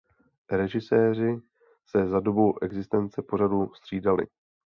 Režiséři se za dobu existence pořadu střídali.